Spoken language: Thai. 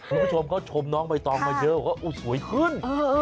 คุณผู้ชมเขาชมน้องใบตองมาเยอะว่าสวยขึ้น